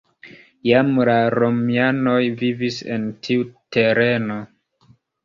Jam la romianoj vivis en tiu tereno.